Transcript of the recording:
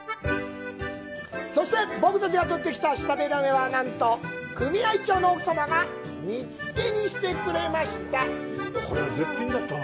そして、僕たちが取ってきたシタビラメは、なんと組合長の奥様が煮つけにしてくださいました。